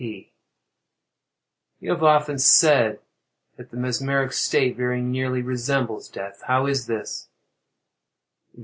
P. You have often said that the mesmeric state very nearly resembles death. How is this?